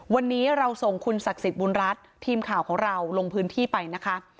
วันนี้เราส่งคุณศักดิ์สิทธิ์บุญรัฐทีมข่าวของเราลงพื้นที่ไปนะคะ